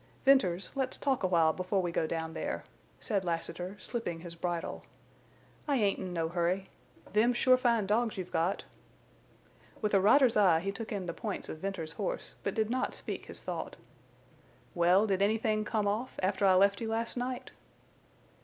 "Venters, let's talk awhile before we go down there," said Lassiter, slipping his bridle. "I ain't in no hurry. Them's sure fine dogs you've got." With a rider's eye he took in the points of Venter's horse, but did not speak his thought. "Well, did anythin' come off after I left you last night?"